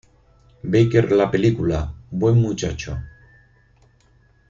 Baker la película "Buen Muchacho!".